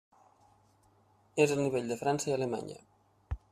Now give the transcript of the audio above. És el nivell de França i Alemanya.